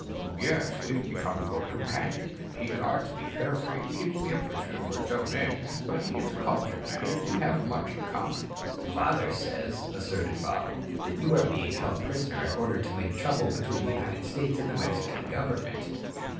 "Yes, we have become good companions. He guards me carefully, keeps me a prisoner for his own ends, but he is a cultured man and we have much in common." "Father says," asserted Bob, "that you are being held prisoner in order to make trouble between the United States and the Mexican government."